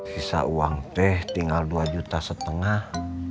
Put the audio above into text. sisa uang teh tinggal dua juta setengah